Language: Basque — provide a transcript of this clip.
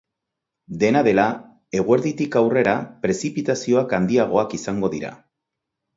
Dena dela, eguerditik aurrera prezipitazioak handiagoak izango dira.